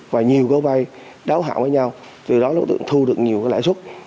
và nhiều gói vay đáo hạng với nhau từ đó đối tượng thu được nhiều lãi suất